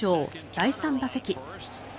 第３打席。